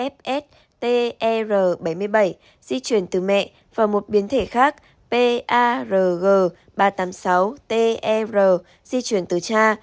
pgli năm trăm ba mươi bảy ile di chuyển từ mẹ và một biến thể khác parg ba trăm tám mươi sáu tr di chuyển từ cha